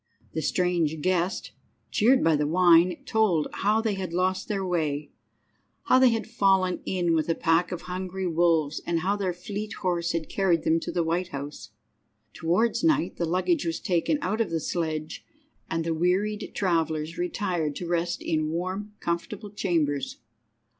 The strange guest, cheered by the wine, told how they had lost their way, how they had fallen in with a pack of hungry wolves, and how their fleet horse had carried them to the White House. Towards night the luggage was taken out of the sledge, and the wearied travellers retired to rest in warm, comfortable chambers.